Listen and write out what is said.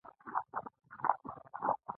د بتۍ سپينه رڼا پر جانکو ولګېده.